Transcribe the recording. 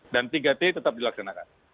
dan tiga t tetap dilaksanakan